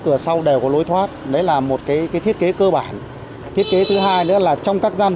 cửa sau đều có lối thoát đấy là một thiết kế cơ bản thiết kế thứ hai nữa là trong các gian